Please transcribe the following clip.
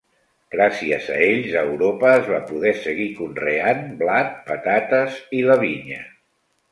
Gràcies a ells a Europa es va poder seguir conreant blat, patates i la vinya.